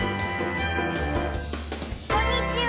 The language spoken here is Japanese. こんにちは！